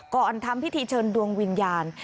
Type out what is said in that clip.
ทำพิธีเชิญดวงวิญญาณ